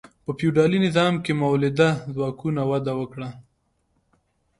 په فیوډالي نظام کې مؤلده ځواکونه وده وکړه.